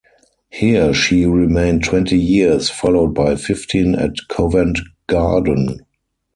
Here she remained twenty years, followed by fifteen at Covent Garden.